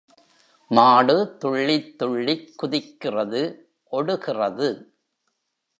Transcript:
மாடு துள்ளித் துள்ளிக் குதிக்கிறது ஒடுகிறது.